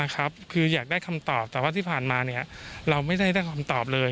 คืออยากได้คำตอบแต่ว่าที่ผ่านมาเราไม่ได้ได้คำตอบเลย